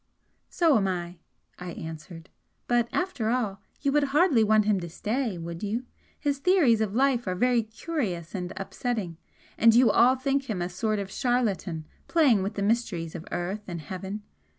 "So am I," I answered "But, after all you would hardly want him to stay, would you? His theories of life are very curious and upsetting, and you all think him a sort of charlatan playing with the mysteries of earth and heaven!